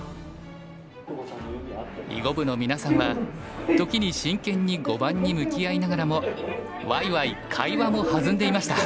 囲碁部のみなさんは時に真剣に碁盤に向き合いながらもわいわい会話も弾んでいました。